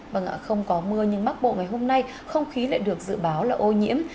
vâng ạ không có mưa nhưng bắc bộ ngày hôm nay không khí lại được dự báo là ô nhiễm